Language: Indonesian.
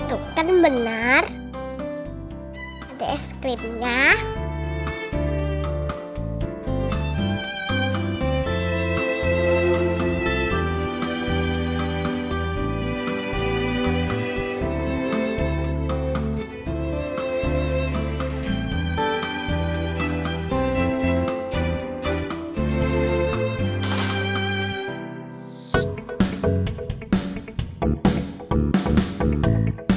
oleh melihat perancitnya